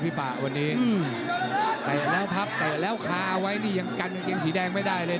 วันนี้อืมแตะแล้วพักแตะแล้วคาไว้นี่ยังกันเกงสีแดงไม่ได้เลย